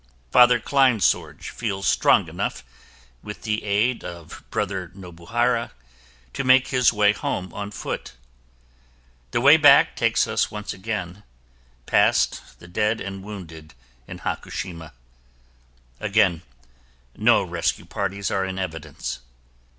Father Kleinsorge feels strong enough, with the aid of Brother Nobuhara, to make his way home on foot. The way back takes us once again past the dead and wounded in Hakushima. Again no rescue parties are in evidence.